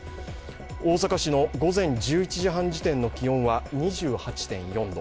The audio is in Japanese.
大阪市の午前１１時半時点の気温は２８．４度。